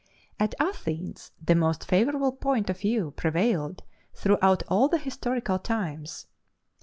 At Athens the more favorable point of view prevailed throughout all the historical times.